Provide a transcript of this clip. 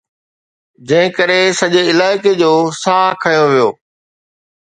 جنهن ڪري سڄي علائقي جو ساهه کنيو ويو.